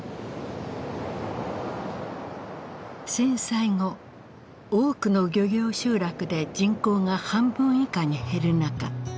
震災後多くの漁業集落で人口が半分以下に減る中